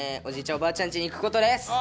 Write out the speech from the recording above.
おばあちゃんちに行くことです。